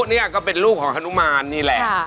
นี่ก็เป็นลูกของฮนุมานนี่แหละ